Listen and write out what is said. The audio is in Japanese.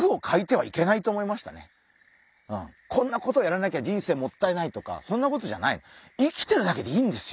こんなことやらなきゃ人生もったいないとかそんなことじゃない。